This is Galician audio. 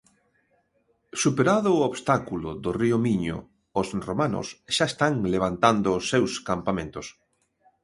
Superado o obstáculo do río Miño, os romanos xa están levantando os seus campamentos.